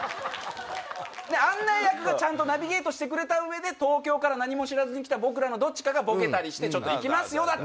案内役がちゃんとナビゲートしてくれた上で東京から何も知らずに来た僕らのどっちかがボケたりしてちょっと行きますよ！